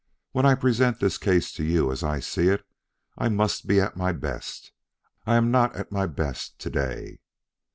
When I present this case to you as I see it, I must be at my best. I am not at my best to day."